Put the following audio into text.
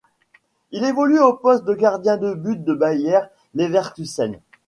Il évolue au poste de gardien de but du Bayer Leverkusen.